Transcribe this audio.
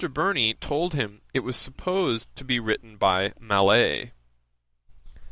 Burney told him it was supposed to be written by Mallet.